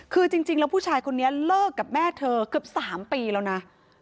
คือจริงแล้วผู้ชายคนนี้เลิกกับแม่เธอเกือบ๓ปีแล้วนะ